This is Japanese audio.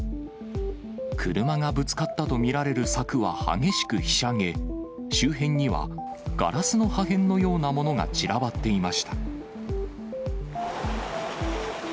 車がぶつかったと見られる柵は激しくひしゃげ、周辺にはガラスの破片のようなものが散らばっていました。